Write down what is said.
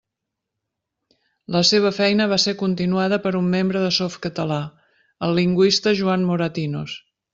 La seva feina va ser continuada per un membre de Softcatalà, el lingüista Joan Moratinos.